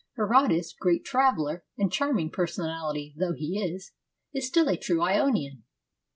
Herodotus, great traveller and charming personal ity though he is, is still a true Ionian.